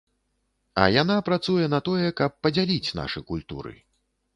А яна працуе на тое, каб падзяліць нашы культуры.